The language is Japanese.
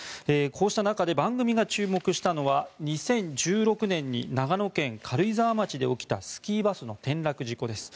こうした中で番組が注目したのは２０１６年に長野県軽井沢町で起きたスキーバスの転落事故です。